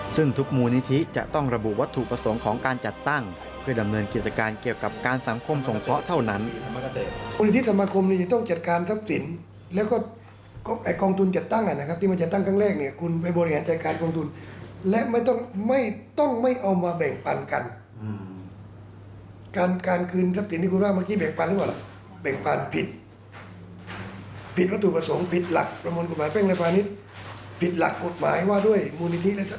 ซึ่งทุกมูลนิธิจะต้องระบุวัตถุประสงค์ของการจัดตั้งเพื่อดำเนินกิจการเกี่ยวกับการสังคมสงเคราะห์เท่านั้น